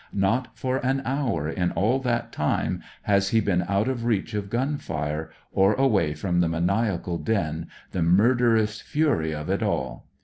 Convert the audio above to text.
Not for an hour in all that time has he been out of reach of gun fire, or away from xhe maniacal din, the murderous fury of it all.